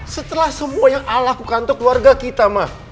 setelah semua yang al lakukan untuk keluarga kita ma